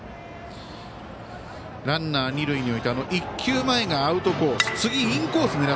ランナーを二塁に置いて１球前がアウトコース